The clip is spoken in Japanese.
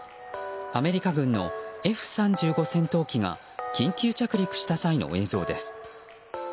アメリカ軍のＦ３５戦闘機が緊急着陸した際の映像です。